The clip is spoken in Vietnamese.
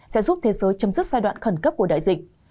sẽ giúp thế giới chấm dứt giai đoạn khẩn cấp của đại dịch